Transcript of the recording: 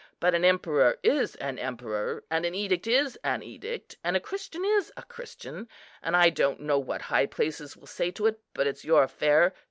But an Emperor is an Emperor, and an Edict is an Edict, and a Christian is a Christian; and I don't know what high places will say to it, but it's your affair.